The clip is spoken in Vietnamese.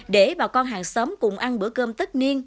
để bà con hàng xóm cùng ăn bữa cơm tất niên